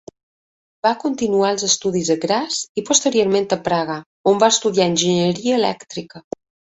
Va continuar els estudis a Graz i posteriorment a Praga on va estudiar enginyeria elèctrica.